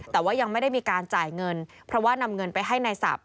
แต่ว่ายังไม่ได้มีการจ่ายเงินเพราะว่านำเงินไปให้นายศัพท